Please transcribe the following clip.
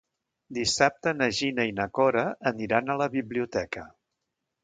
Dissabte na Gina i na Cora aniran a la biblioteca.